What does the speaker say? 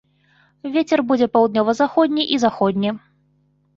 Вецер будзе паўднёва-заходні і заходні.